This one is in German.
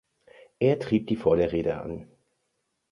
Er trieb die Vorderräder an.